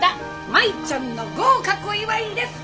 舞ちゃんの合格祝いです！